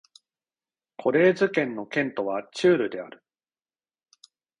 コレーズ県の県都はチュールである